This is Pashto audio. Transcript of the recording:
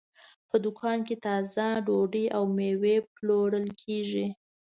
په دوکان کې تازه ډوډۍ او مېوې پلورل کېږي.